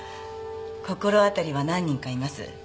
心当たりは何人かいます。